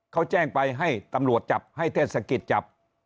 เขาแจ้งไปให้ตำรวจจับให้เทศกิจจับ